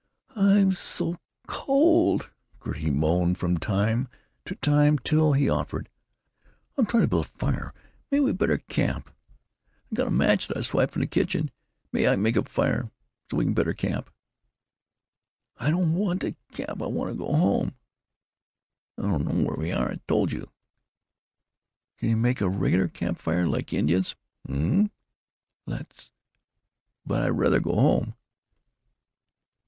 "I'm so cold," Gertie moaned from time to time, till he offered: "I'll try and build a fire. Maybe we better camp. I got a match what I swiped from the kitchen. Maybe I can make a fire, so we better camp." "I don't want to camp. I want to go home." "I don't know where we are, I told you." "Can you make a regular camp fire? Like Indians?" "Um huh." "Let's.... But I rather go home."